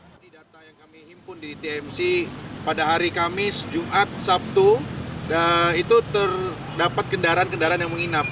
dari data yang kami himpun di tmc pada hari kamis jumat sabtu itu terdapat kendaraan kendaraan yang menginap